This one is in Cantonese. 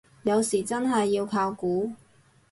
有時真係要靠估